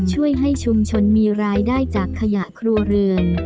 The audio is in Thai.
ช่วยให้ชุมชนมีรายได้จากขยะครัวเรือน